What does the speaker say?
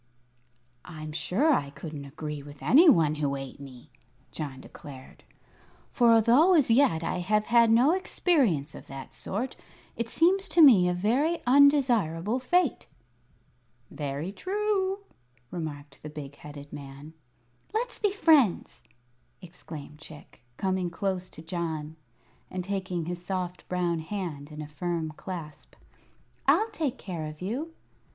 "I'm sure I couldn't agree with any one who ate me," John declared. "For, although as yet I have had no experience of that sort, it seems to me a very undesirable fate." "Very true," remarked the big headed man. "Let's be friends!" exclaimed Chick, coming close to John and taking his soft brown hand in a firm clasp. "I'll take care of you."